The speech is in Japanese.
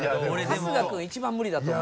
春日君一番無理だと思う。